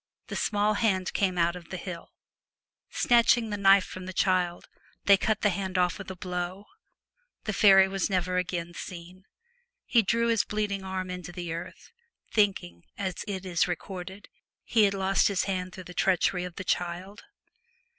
The small hand came out of the hill. Snatching the knife from the child, they cut the hand off with a blow. The faery was never again seen. He drew his bleeding arm into the earth, thinking, as it is recorded, he had lost his hand through the treachery of the child.